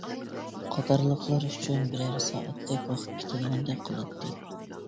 قاتارلىقلار ئۈچۈن بىرەر سائەتتەك ۋاقىت كېتىدىغاندەك قىلاتتى.